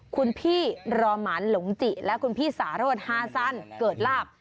คุณพี่รอหมานหลงจิและคุณพี่สาโรธฮาสั้นเกิดลาบ